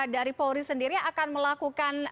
dari polri sendiri akan melakukan